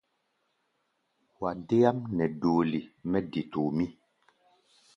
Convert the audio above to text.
Wa deáʼm nɛ doole mɛ de tomʼí.